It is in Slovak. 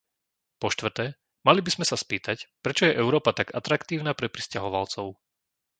po štvrté, mali by sme sa spýtať, prečo je Európa tak atraktívna pre prisťahovalcov.